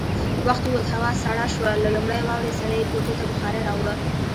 وخت ووت، هوا سړه شوه، له لومړۍ واورې سره يې کوټې ته بخارۍ راوړه.